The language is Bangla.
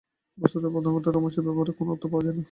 বস্তুতই প্রথম হইতেই রমেশের ব্যবহারের কোনো অর্থ পাওয়া যায় না।